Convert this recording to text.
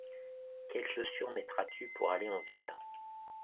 Quelles chaussures mettras-tu pour aller en ville ?